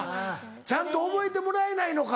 ちゃんと覚えてもらえないのか。